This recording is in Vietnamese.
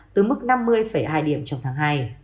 từ mức năm mươi hai điểm trong tháng hai